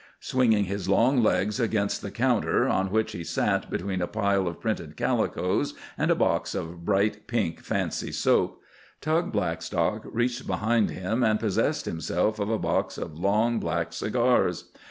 Swinging his long legs against the counter, on which he sat between a pile of printed calicoes and a box of bright pink fancy soap, Tug Blackstock reached behind him and possessed himself of a box of long, black cigars.